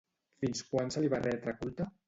Fins quan se li va retre culte?